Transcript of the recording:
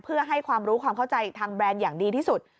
เพื่อให้ความรู้ความเข้าใจทางแบรนด์อย่างดีที่สุด